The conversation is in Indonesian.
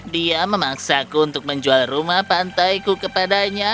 dia memaksaku untuk menjual rumah pantai ku kepadanya